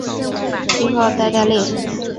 信号肽肽链。